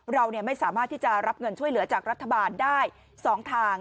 เราไม่สามารถที่จะรับเงินช่วยเหลือจากรัฐบาลได้๒ทาง